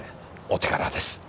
お手柄です。